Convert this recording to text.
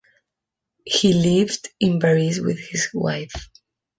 He lived in Paris with his wife.